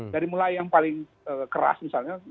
dari mulai yang paling keras misalnya